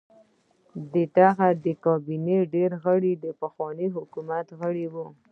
د هغه د کابینې ډېر غړي د پخوا حکومت غړي وو.